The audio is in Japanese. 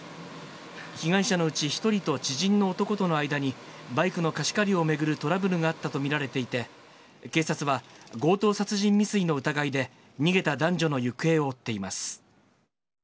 被害者のうち１人と知人の男との間に、バイクの貸し借りを巡るトラブルがあったと見られていて、警察は強盗殺人未遂の疑いで、逃げた男女の行方を追っています。